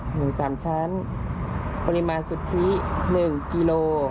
หมู๓ชั้นปริมาณสุทธิ๑กิโล